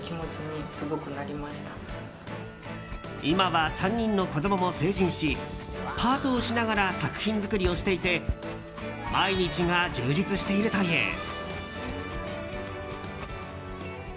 今は３人の子供も成人しパートをしながら作品作りをしていて毎日が充実しているという。